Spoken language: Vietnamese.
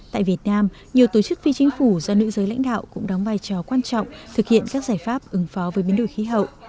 tại việt nam nhiều tổ chức phi chính phủ do nữ giới lãnh đạo cũng đóng vai trò quan trọng thực hiện các giải pháp ứng phó với biến đổi khí hậu